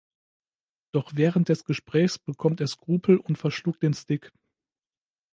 Doch während des Gesprächs bekommt er Skrupel und verschluckt den Stick.